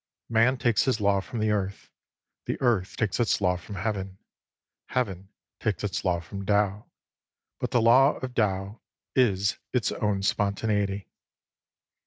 Man takes his law from the Earth ; the Earth takes its law from Heaven ; Heaven takes its law from Tao ; but the law of Tao is its own spontaneity.